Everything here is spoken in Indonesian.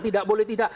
tidak boleh tidak